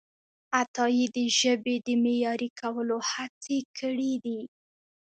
عطایي د ژبې د معیاري کولو هڅې کړیدي.